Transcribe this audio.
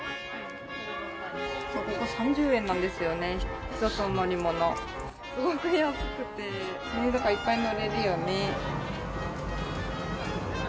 ここ３０円なんですよね、１つの乗り物、すごい安くて、だからいっぱい乗れるよね。